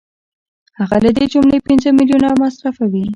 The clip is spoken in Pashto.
هغه له دې جملې پنځه میلیونه مصرفوي